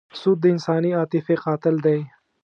سود د انساني عاطفې قاتل دی.